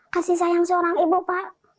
kasih sayang seorang ibu pak